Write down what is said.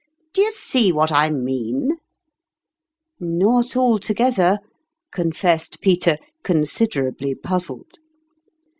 Do you see what I mean ?" "Not altogether," confessed Peter, consid erably puzzled.